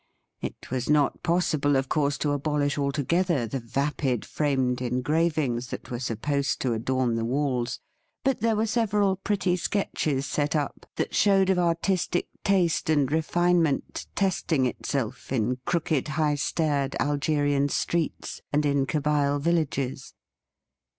It was not possible, of course, to abolish a;ltogether the vapid framed engravings that were supposed to adorn the walls ; but there were several pretty sketches set up that showed of artistic taste and refinement testing itself in crooked high staired Algerian streets and in Kabyle villages.